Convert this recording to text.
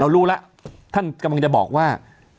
รู้แล้วท่านกำลังจะบอกว่า